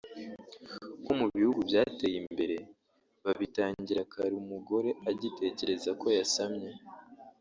nko mu bihugu byateye imbere babitangira kare umugore agitekereza ko yasamye